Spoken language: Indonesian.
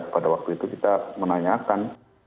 pada waktu itu kita menanyakan